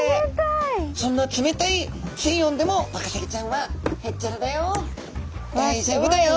そんな冷たい水温でもワカサギちゃんは「へっちゃらだよ」